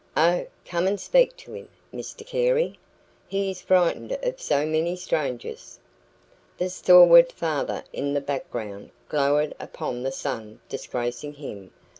Oh, come and speak to him, Mr Carey! He is frightened of so many strangers." The stalwart father in the background glowered upon the son disgracing him.